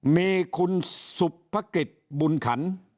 มีคุณสุบพกฤษบุญขันต์